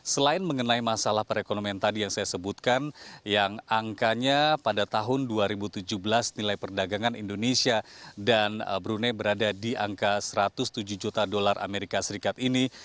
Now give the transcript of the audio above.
selain mengenai masalah perekonomian tadi yang saya sebutkan yang angkanya pada tahun dua ribu tujuh belas nilai perdagangan indonesia dan brunei berada di angka satu ratus tujuh juta dolar amerika serikat ini